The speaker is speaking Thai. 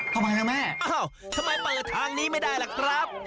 ทำไมล่ะแม่อ้าวทำไมเปิดทางนี้ไม่ได้ล่ะครับ